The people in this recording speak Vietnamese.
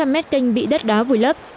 sáu trăm linh m canh bị đất đá vùi lấp